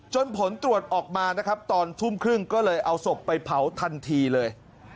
ผลตรวจออกมานะครับตอนทุ่มครึ่งก็เลยเอาศพไปเผาทันทีเลย